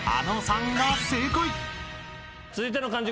続いての漢字